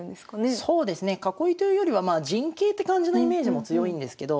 そうですね囲いというよりは陣形って感じのイメージも強いんですけど。